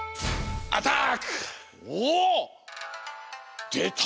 おお！でた！